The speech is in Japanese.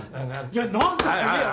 いや何とか言えよ。